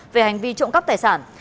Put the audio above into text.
về hành vi trộm cắp tài sản